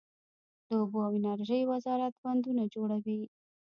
د اوبو او انرژۍ وزارت بندونه جوړوي